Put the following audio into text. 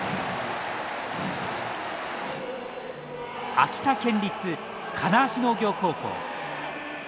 秋田県立金足農業高校。